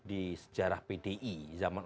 di sejarah pdi zaman